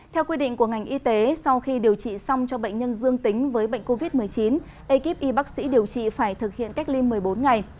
theo quy định của ngành y tế sau khi điều trị xong cho bệnh nhân dương tính với bệnh covid một mươi chín ekip y bác sĩ điều trị phải thực hiện cách ly một mươi bốn ngày